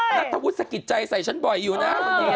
นักทะวุธสะกิดใจใส่ฉันบ่อยอยู่นะ